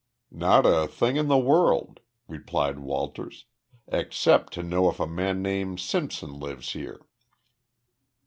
"Not a thing in the world," replied Walters, "except to know if a man named Simpson lives here."